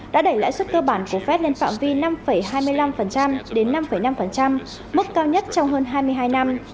đã đẩy lãi suất cơ bản của fed lên phạm vi năm hai mươi năm đến năm năm mức cao nhất trong hơn hai mươi hai năm